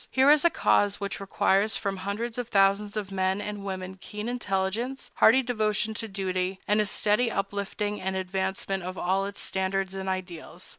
Here is a cause which requires from hundreds of thousands of men and women keen intelligence, hearty devotion to duty, and a steady uplifting and advancement of all its standards and ideals.